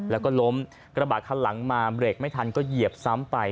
แล้วก็ล้มกระบาดคันหลังมาเบรกไม่ทันก็เหยียบซ้ำไป